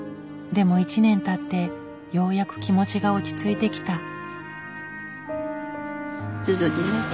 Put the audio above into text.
でも１年たってようやく気持ちが落ち着いてきた。